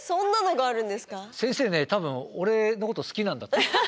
先生ね多分俺のこと好きなんだと思う。